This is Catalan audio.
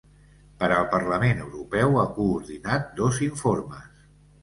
Per al Parlament Europeu ha coordinat dos informes.